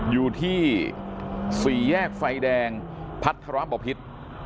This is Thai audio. อยู่ที่สี่แยกไฟแดงพัฒระบพิษ